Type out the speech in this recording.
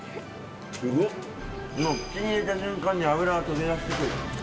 もう口に入れた瞬間に脂が溶け出してくる。